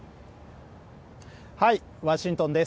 ワシントンです。